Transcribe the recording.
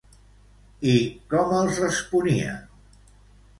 I com els responia?